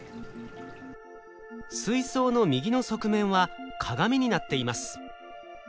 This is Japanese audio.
水槽の右の側面は鏡になっています。